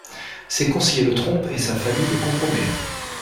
Ses conseillers le trompent et sa famille le compromet.